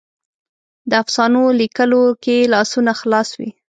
د افسانو لیکلو کې لاسونه خلاص وي.